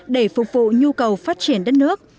để phục vụ nhu cầu phát triển đất nước